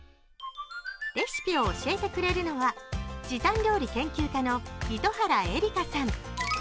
レシピを教えてくれるのは時短料理研究家の糸原絵里香さん。